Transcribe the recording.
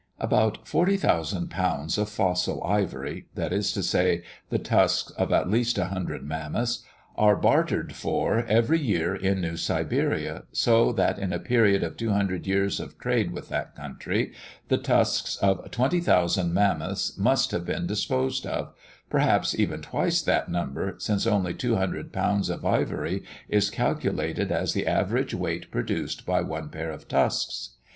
About 40,000 lbs. of fossil ivory that is to say, the tusks of at least 100 Mammoths are bartered for every year in New Siberia, so that in a period of 200 years of trade with that country, the tusks of 20,000 Mammoths must have been disposed of perhaps even twice that number, since only 200 lbs. of ivory is calculated as the average weight produced by one pair of tusks.